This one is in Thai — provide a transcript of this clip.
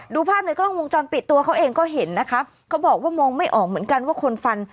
ภาพในกล้องวงจรปิดตัวเขาเองก็เห็นนะคะเขาบอกว่ามองไม่ออกเหมือนกันว่าคนฟัน